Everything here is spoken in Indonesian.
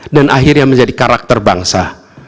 dan akhirnya menjadi karakter bangsa